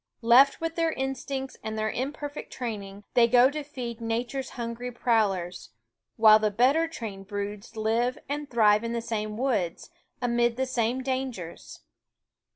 Left with their instincts and their imperfect training, they go to feed nature's hungry prowl ers; while the better trained broods live and thrive in the same woods, amid the same dangers.